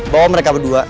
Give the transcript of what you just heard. bawa mereka berdua